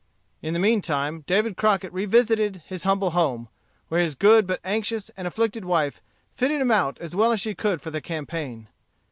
In the mean time David Crockett revisited his humble home, where his good but anxious and afflicted wife fitted him out as well as she could for the campaign.